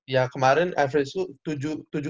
ya kemarin average ku tujuh